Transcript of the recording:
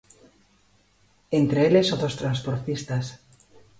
Entre eles o dos transportistas.